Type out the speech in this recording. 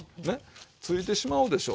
ついてしまうでしょ。